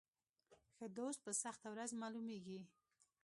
ښه دوست په سخته ورځ معلومیږي.